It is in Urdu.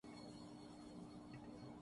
چل نکل یہا سے ـ